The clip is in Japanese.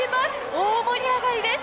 大盛り上がりです。